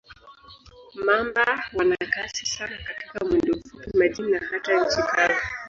Mamba wana kasi sana katika mwendo mfupi, majini na hata nchi kavu.